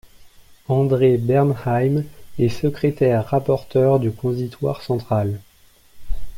André Bernheim est secrétaire-rapporteur du Consistoire central.